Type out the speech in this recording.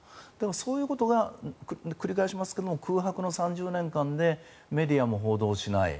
そういうことが、繰り返しますが空白の３０年間でメディアも報道しない。